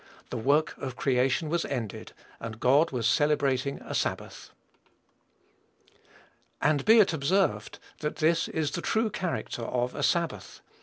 The work of creation was ended, and God was celebrating a sabbath. And be it observed, that this is the true character of a sabbath.